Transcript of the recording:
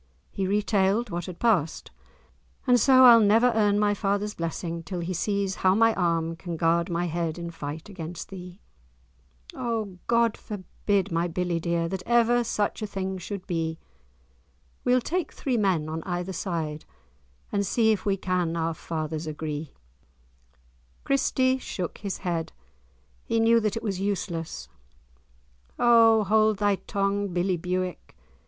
He retailed what had passed, "and so I'll never earn my father's blessing, till he sees how my arm can guard my head in fight against thee." "O God forbid, my billie dear, That ever such a thing should be! We'll take three men on either side, And see if we can our fathers agree." Christie shook his head. He knew that it was useless. "O hold thy tongue, billie Bewick.